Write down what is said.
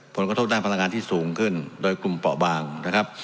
ผลกระทบด้านพลังงานที่สูงขึ้นโดยกลุ่มเปาะบางนะครับ